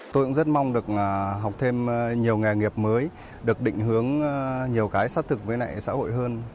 tôi cũng rất mong được học thêm nhiều nghề nghiệp mới được định hướng nhiều cái xác thực với xã hội hơn